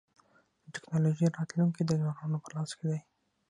د ټکنالوژۍ راتلونکی د ځوانانو په لاس کي دی.